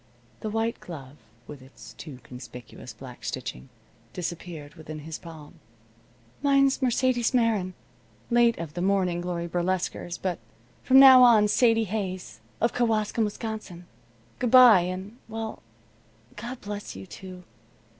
The white glove, with its too conspicuous black stitching, disappeared within his palm. "Mine's Mercedes Meron, late of the Morning Glory Burlesquers, but from now on Sadie Hayes, of Kewaskum, Wisconsin. Good bye and well God bless you, too.